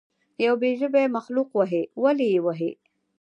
یو بې ژبې مخلوق وهئ ولې یې وهئ.